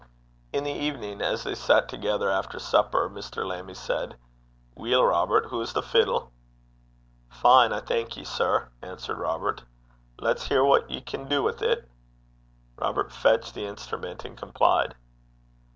In the evening, as they sat together after supper, Mr. Lammie said, 'Weel, Robert, hoo's the fiddle?' 'Fine, I thank ye, sir,' answered Robert. 'Lat's hear what ye can do wi' 't.' Robert fetched the instrument and complied.